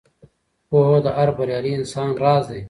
پوهه د هر بریالي انسان راز دی.